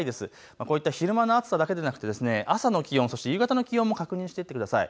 こういった昼間の暑さだけでなくて朝の気温、そして夕方の気温も確認しておいてください。